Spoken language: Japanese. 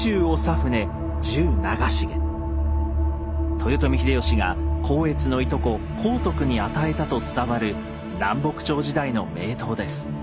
豊臣秀吉が光悦のいとこ光徳に与えたと伝わる南北朝時代の名刀です。